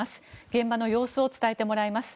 現場の様子を伝えてもらいます。